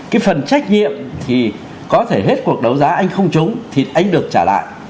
cái phần trách nhiệm thì có thể hết cuộc đấu giá anh không trúng thì anh được trả lại